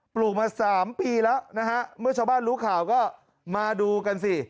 ลูกมา๓ปีแล้วนะฮะเมื่อชาวบ้านรู้ข่าวก็มาดูกันสิ